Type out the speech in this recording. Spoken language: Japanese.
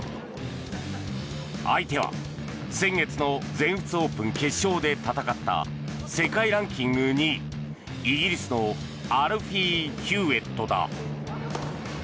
相手は先月の全仏オープン決勝で戦った世界ランキング２位イギリスのアルフィー・ヒューエットだ。